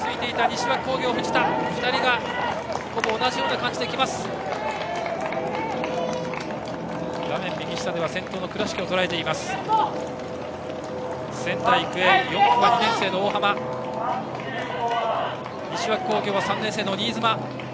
西脇工業は３年生の新妻。